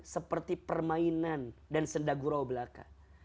seperti permainan dan senda gurau belaka